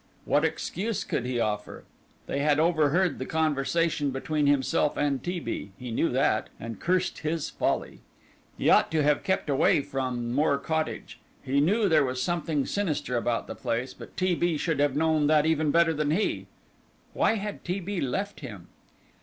What excuse could he offer? They had overheard the conversation between himself and T. B., he knew that, and cursed his folly. He ought to have kept away from Moor Cottage. He knew there was something sinister about the place, but T. B. should have known that even better than he. Why had T. B. left him?